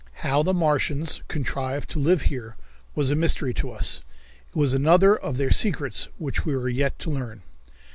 How the Martians contrived to live here was a mystery to us. It was another of their secrets which we were yet to learn.